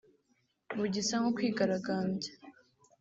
Mu gisa nko kwigaragambya